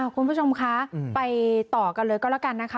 คุณผู้ชมคะไปต่อกันเลยก็แล้วกันนะคะ